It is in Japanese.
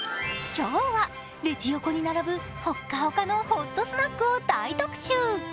今日はレジ横に並ぶホッカホカのホットスナックを大特集。